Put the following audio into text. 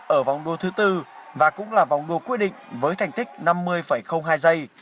ở vòng đua thứ tư và cũng là vòng đua quyết định với thành tích năm mươi hai giây